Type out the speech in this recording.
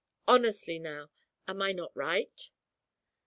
Honestly now, am I not right?'